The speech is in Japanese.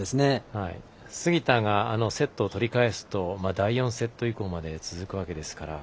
杉田が、セットを取り返すと第４セット以降まで続くわけですから。